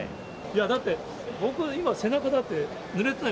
だって、僕、今、背中、ぬれてない？